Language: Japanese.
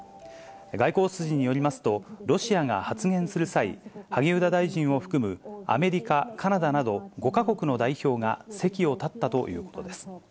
外交筋によりますと、ロシアが発言する際、萩生田大臣を含むアメリカ、カナダなど５か国の代表が席を立ったということです。